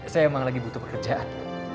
saya emang lagi butuh pekerjaan